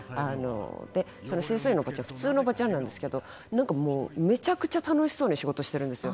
でその清掃員のおばちゃん普通のおばちゃんなんですけど何かめちゃくちゃ楽しそうに仕事してるんですよ。